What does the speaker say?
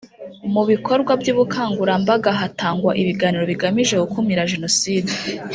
Mu bikorwa by’ubukangurambaga hatangwa ibiganiro bigamije gukumira Jenoside